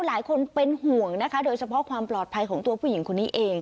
หลายคนเป็นห่วงนะคะโดยเฉพาะความปลอดภัยของตัวผู้หญิงคนนี้เอง